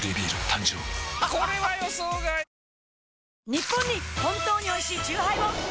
ニッポンに本当においしいチューハイを！